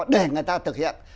để người ta thực hiện